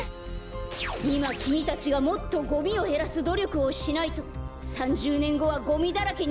いまきみたちがもっとゴミをへらすどりょくをしないと３０ねんごはゴミだらけになって。